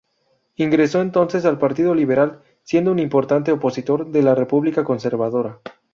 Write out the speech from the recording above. Ingresó entonces al Partido Liberal, siendo un importante opositor de la República Conservadora.